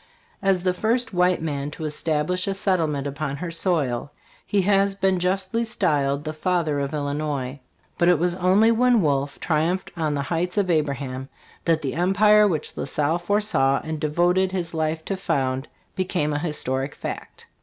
As the first white man to establish a settlement upon her soil, he has been justly styled "the Father of Illinois"; but it was only when Wolfe triumphed on the Heights of Abraham that the empire which La Salle foresaw and devoted his life to found, became a historic fact.